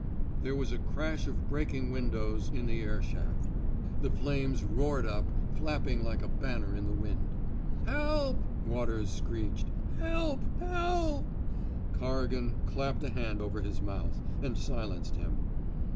There was a crash of breaking windows 210 TRAINING " SALLY " WATERS in the air shaft. The flames roared up, flapping like a banner in the wind. '' Help I '' Waters screeched. '' Help I Hel— " Corrigan clapped a hand over his mouth, and silenced him.